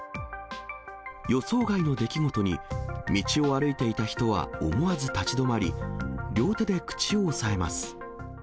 予想外の出来事に、道を歩いていた人は思わず立ち止まり、両手で口を押さえます。